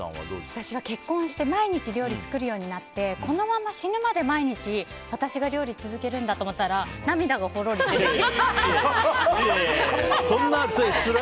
私は結婚して毎日料理作るようになってこのまま死ぬまで毎日私が料理続けるんだと思ったらいやいや。